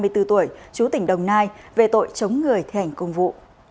năm mươi bốn tuổi chú tỉnh đồng nai về tội chống người thể hành công vụ